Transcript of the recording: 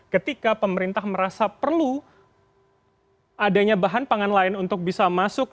ketika pemerintah merasa perlu adanya bahan pangan lain untuk bisa masuk